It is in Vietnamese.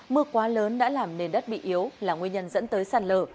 mưa quá lớn đã làm nền đất bị yếu là nguyên nhân dẫn tới sạt lở